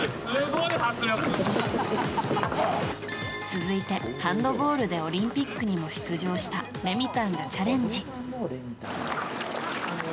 続いて、ハンドボールでオリンピックにも出場したレミたんがチャレンジ。